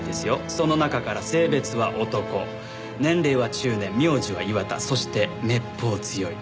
その中から性別は男年齢は中年名字は岩田そしてめっぽう強い。